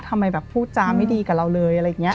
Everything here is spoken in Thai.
ทำไมแบบพูดจาไม่ดีกับเราเลยอะไรอย่างนี้